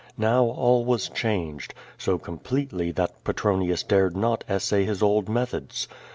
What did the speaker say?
Now all was changed, so completely that Petronius dared not essav his old metliods.